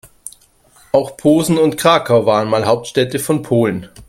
Auch Posen und Krakau waren mal Hauptstädte von Polen.